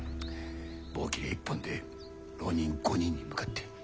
棒切れ一本で浪人５人に向かって。